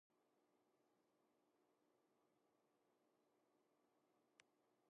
夏、殷、周の三代の始祖の名。夏王朝の始祖の禹王。殷王朝の始祖の湯王。周王朝の文王と武王のこと。いずれも中国古代の聖天子。